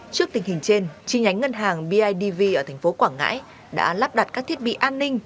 trước tình hình trên chi nhánh ngân hàng bidv ở thành phố quảng ngãi đã lắp đặt các thiết bị an ninh